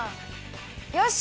よし！